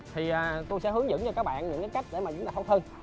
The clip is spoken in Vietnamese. thì tôi sẽ hướng dẫn cho các bạn những cái cách để mà chúng ta khóc thân